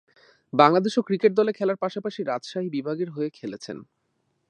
বাংলাদেশ এ ক্রিকেট দলে খেলার পাশাপাশি রাজশাহী বিভাগের হয়ে খেলছেন।